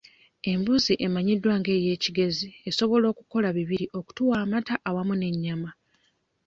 Embuzi emanyiddwa nga ey'e Kigezi esobola okukola bibiri okutuwa amata awamu n'ennyama.